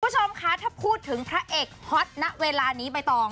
ประชำคะถ้าพูดถึงพระเอกฮอตณเวลานี้ไปต่อ